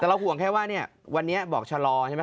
แต่เราห่วงแค่ว่าวันนี้บอกชะลอใช่ไหม